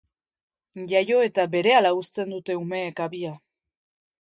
Jaio eta berehala uzten dute umeek habia.